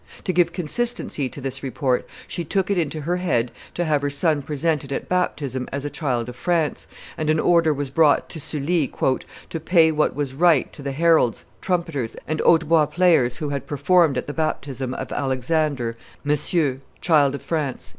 To give consistency to this report she took it into her head to have her son presented at baptism as a child of France, and an order was brought to Sully "to pay what was right to the heralds, trumpeters, and hautbois players who had performed at the baptism of Alexander, Monsieur, child of France."